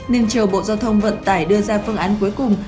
nên chiều bộ giao thông vận tải đưa ra phương án cuối cùng